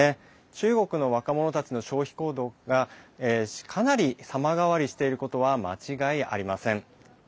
中国の若者たちの消費行動がかなり様変わりしていることは間違いありません。